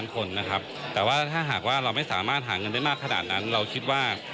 ขอบคุณครับ